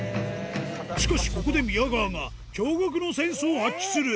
しかし、ここで宮川が驚がくなセンスを発揮する。